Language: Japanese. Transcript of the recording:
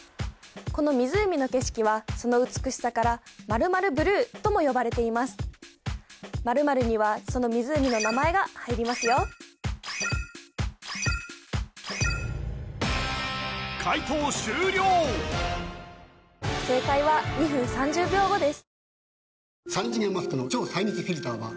この湖の景色はその美しさから○○ブルーとも呼ばれています○○にはその湖の名前が入りますよ解答終了正解は２分３０秒後です